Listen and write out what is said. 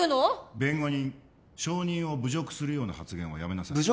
弁護人証人を侮辱するような発言はやめなさい侮辱？